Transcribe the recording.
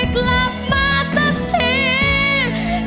กลับมาสักที